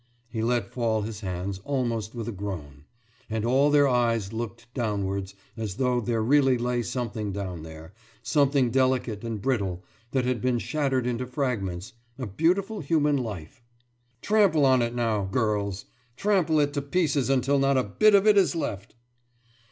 « He let fall his hands, almost with a groan, and all their eyes looked downwards as though there really lay something down there, something delicate and brittle, that had been shattered into fragments a beautiful human life. »Trample on it, now, girls! Trample it to pieces until not a bit of it is left!